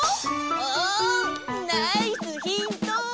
ポンナイスヒント！